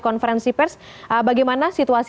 konferensi pers bagaimana situasi